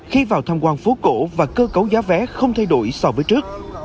khi vào tham quan phố cổ và cơ cấu giá vé không thay đổi so với trước